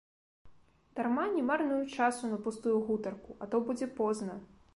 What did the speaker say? Дарма не марнуй часу на пустую гутарку, а то будзе позна.